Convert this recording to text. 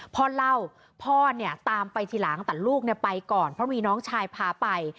พ่อเล่าพ่อเนี่ยตามไปทีหลังแต่ลูกไปก่อนเพราะมีน้องชายพาไป